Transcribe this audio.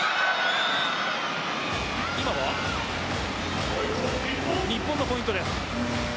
今は日本のポイントです。